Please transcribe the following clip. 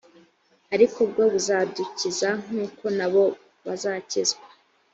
ari bwo buzadukiza nk uko na bo bazakizwa